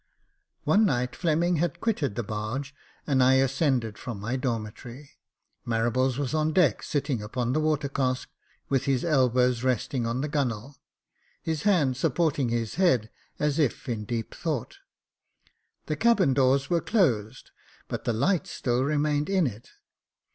One night Fleming had quitted the barge, and I ascended from my dormitory. Marables was on deck, sitting upon the water cask, with his elbow resting on the gunwale, his hand supporting his head, as if in deep thought. The cabin doors were closed, but the light still remained in it.